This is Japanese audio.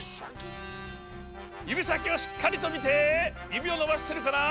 ゆびさきをしっかりとみてゆびをのばしてるかな？